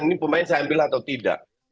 ini pemain saya ambil atau tidak